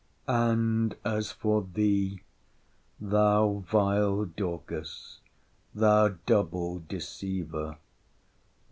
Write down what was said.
'And as for thee, thou vile Dorcas! Thou double deceiver!